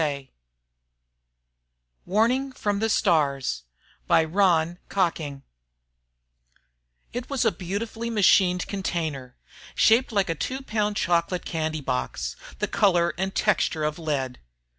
_ WARNING FROM THE STARS By RON COCKING ILLUSTRATOR SUMMERS It was a beautifully machined container, shaped like a two pound chocolate candy box, the color and texture of lead.